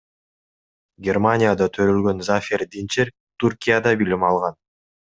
Германияда төрөлгөн Зафер Динчер Түркияда билим алган.